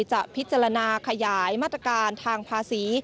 จะพิจารณาขยายมาตรการทางภาษี